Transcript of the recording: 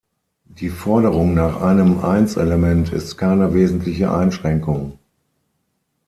Die Forderung nach einem Einselement ist keine wesentliche Einschränkung.